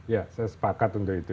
ya saya sepakat untuk itu